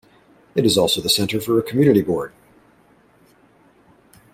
It is also the centre for a Community Board.